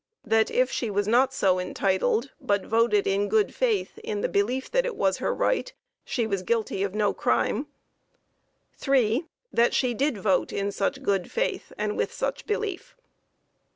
That if she was not so entitled, but voted in good faith in the belief that it was her right, she was guilty of no crime. III. That she did vote in such good faith, and with such belief.